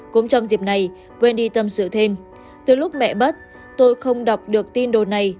cũng trong dịp này wendy tâm sự thêm từ lúc mẹ bắt tôi không đọc được tin đồn này